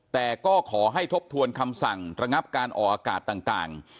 แต่ก็ขอให้ทบทวนคำสั่งระงับการออกอากาศต่าง